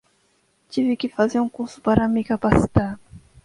Tive de fazer um curso para me capacitar